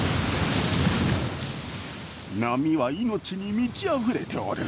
波は命に満ちあふれておる。